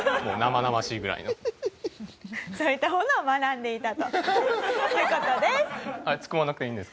そういったものを学んでいたという事です。